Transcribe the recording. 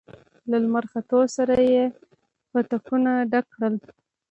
له لمر ختو سره يې پتکونه ډک کړل.